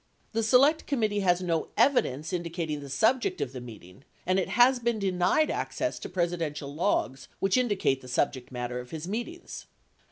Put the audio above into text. The Select Committee has no evidence indicating the subject of the meeting and it has been denied access to Presidential logs which indicate the subject matter of his meetings.